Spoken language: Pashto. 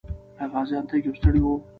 آیا غازیان تږي او ستړي وو؟